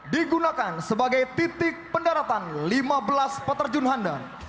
digunakan sebagai titik pendaratan lima belas petarjun handar